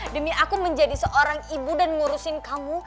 demi aku menjadi seorang ibu dan ngurusin kamu